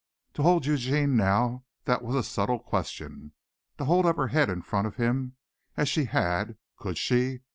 To hold Eugene now that was a subtle question. To hold up her head in front of him as she had, could she?